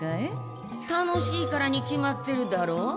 楽しいからに決まってるだろ。